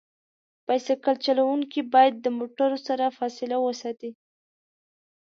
بایسکل چلونکي باید د موټرو سره فاصله وساتي.